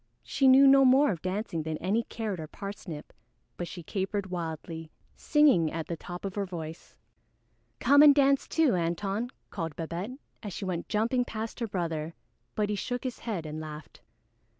She knew no more of dancing than any Carrot or Parsnip, but she capered wildly, singing at the top of her voice. "Come and dance too, Antone," called Babette, as she went jumping past her brother, but he shook his head and laughed.